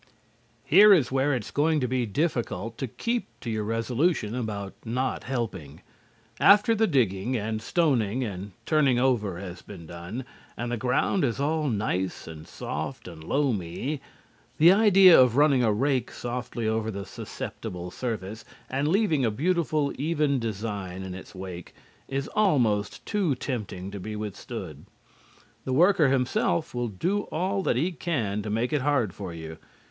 Here is where it is going to be difficult to keep to your resolution about not helping. After the digging, and stoning, and turning over has been done, and the ground is all nice and soft and loamy, the idea of running a rake softly over the susceptible surface and leaving a beautiful even design in its wake, is almost too tempting to be withstood. [Illustration: "Atta boy, forty nine: Only one more to go!"] The worker himself will do all that he can to make it hard for you.